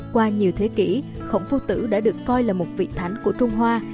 qua nhiều thế kỷ khổng phu tử đã được coi là một vị thánh của trung hoa